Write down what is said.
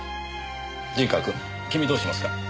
陣川くん君どうしますか？